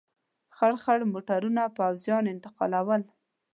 خړ خړ موټرونه پوځیان انتقالول.